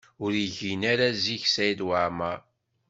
Ur igin ara zik Saɛid Waɛmaṛ.